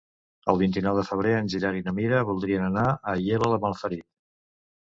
El vint-i-nou de febrer en Gerard i na Mira voldrien anar a Aielo de Malferit.